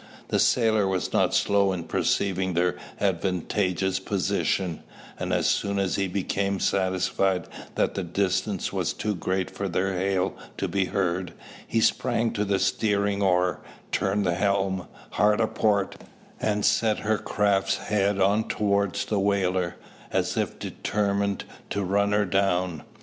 The sailor was not slow in perceiving their advantageous position; and as soon as he became satisfied that the distance was too great for their hail to be heard, he sprang to the steering oar, turned the helm "hard a port," and set his craft's head on towards the whaler, as if determined to run her down.